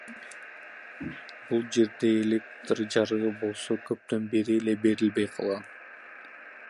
Бул жерде электр жарыгы болсо көптөн бери эле берилбей калган.